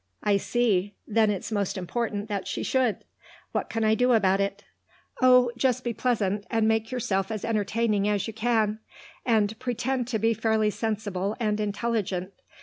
"I see. Then it's most important that she should. What can I do about it?" "Oh, just be pleasant, and make yourself as entertaining as you can, and pretend to be fairly sensible and intelligent....